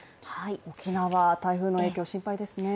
沖縄、台風の影響、心配ですね。